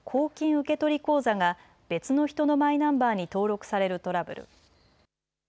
受け取り口座が別の人のマイナンバーに登録されるトラブル。